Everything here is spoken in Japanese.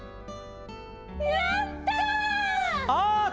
やった！